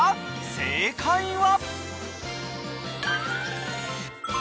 正解は］